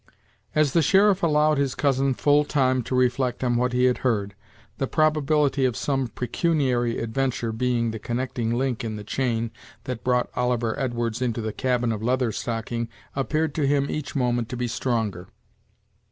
As the sheriff allowed his cousin full time to reflect on what he had heard, the probability of some pecuniary adventure being the connecting link in the chain that brought Oliver Edwards into the cabin of Leather Stocking appeared to him each moment to be stronger.